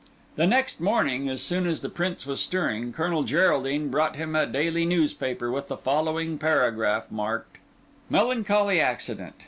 The next morning, as soon as the Prince was stirring, Colonel Geraldine brought him a daily newspaper, with the following paragraph marked:— "Melancholy Accident.